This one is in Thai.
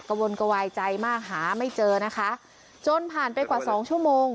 วนกระวายใจมากหาไม่เจอนะคะจนผ่านไปกว่าสองชั่วโมง